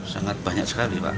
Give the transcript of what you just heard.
sangat banyak sekali pak